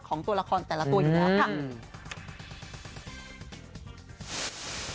ของตัวละครแต่ละตัวอีกแล้วค่ะ